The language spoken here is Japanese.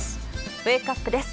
ウェークアップです。